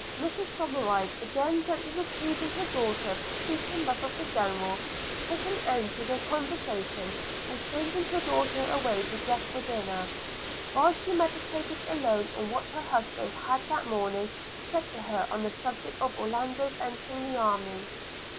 Mrs Somerive, again gently reproving her daughter for speaking thus of the General, put an end to the conversation by sending her daughters away to dress for dinner; while she meditated alone on what her husband had that morning said to her on the subject of Orlando's entering the army.